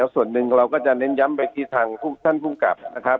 ส่วนหนึ่งเราก็จะเน้นย้ำไปถึงทางท่านผู้กำกับ